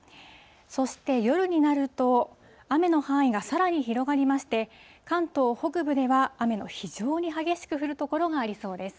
そして夜になると、雨の範囲がさらに広がりまして、関東北部では雨の非常に激しく降る所がありそうです。